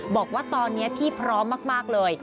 บอกว่าตอนนี้พี่พร้อมมากเลย